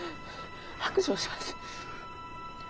白状します。